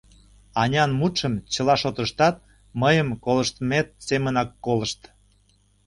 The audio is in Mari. Анян мутшым чыла шотыштат мыйым колыштмет семынак колышт.